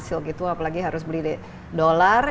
sil gitu apalagi harus beli di dolar